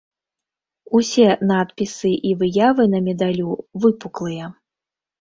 Усе надпісы і выявы на медалю выпуклыя.